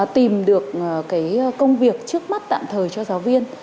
tìm được cái công việc trước mắt tạm thời cho giáo viên